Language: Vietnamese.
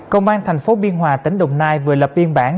công an thành phố biên hòa tỉnh đồng nai vừa lập biên bản